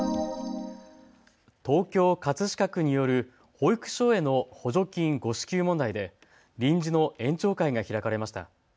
東京葛飾区による保育所への補助金誤支給問題で臨時の園長会が開かれました。